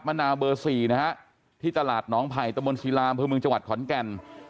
มะนาวเบอร์๔นะฮะที่ตลาดน้องไผ่ตมนต์ศรีรามพื้นเมืองจังหวัดขอนแก่น